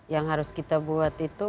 yang harus kita buat itu